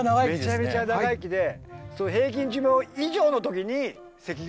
めちゃめちゃ長生きで平均寿命以上の時に関ヶ原とか。